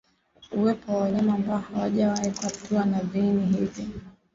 Uwepo wa wanyama ambao hawajawahi kuathiriwa na viini hivi